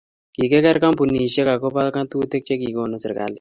kikiker kampunisiek akobo ng'atutik che kikonu serikalit